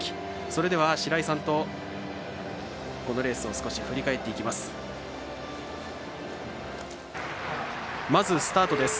それでは白井さんとこのレースを少し振り返っていきます。